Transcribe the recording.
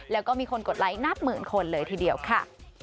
แล้วก็มีคนกดไลค์นับหมื่นคนเลยทีเดียวค่ะ